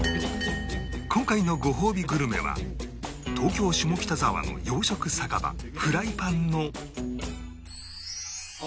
今回のごほうびグルメは東京下北沢の洋食酒場フライパンの